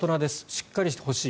しっかりしてほしい。